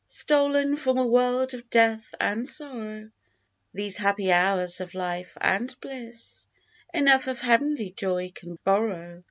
Stolen from a world of death and sorrow, These happy hours of life and bliss Enough of heav'nly joy can borrow.